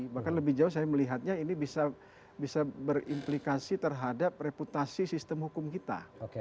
bahkan lebih jauh saya melihatnya ini bisa berimplikasi terhadap reputasi sistem hukum kita